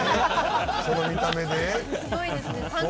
この見た目で？